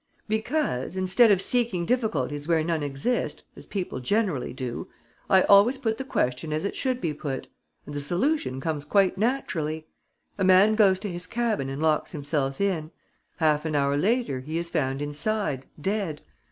"Because, instead of seeking difficulties where none exist, as people generally do, I always put the question as it should be put; and the solution comes quite naturally. A man goes to his cabin and locks himself in. Half an hour later, he is found inside, dead.